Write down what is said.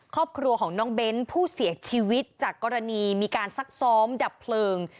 ครอบครัวของน้องเบ้นผู้เสียชีวิตจากกรณีมีการซักซ้อมดับเพลิง